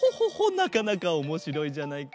なかなかおもしろいじゃないか。